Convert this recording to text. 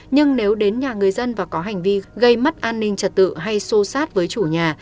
nhưng nếu đến nhà người dân và có hành vi gây mất an ninh trật tự hay sô sát với chủ nhà